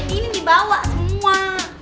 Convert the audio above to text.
ini dibawa semua